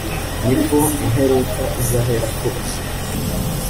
nibwo imperuka izaherako ize